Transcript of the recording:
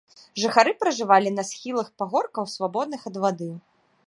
Жыхары пражывалі на схілах пагоркаў свабодных ад вады.